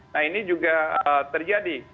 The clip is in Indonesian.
nah ini juga terjadi